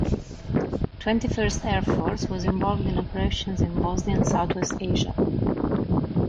Twenty-First Air Force was involved in operations in Bosnia and Southwest Asia.